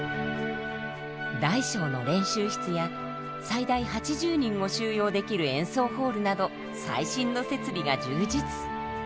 大小の練習室や最大８０人を収容できる演奏ホールなど最新の設備が充実。